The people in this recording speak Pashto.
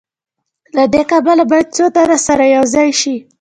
له دې کبله باید څو تنه سره یوځای شي